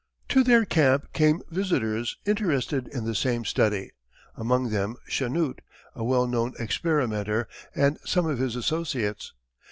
To their camp came visitors interested in the same study, among them Chanute, a well known experimenter, and some of his associates.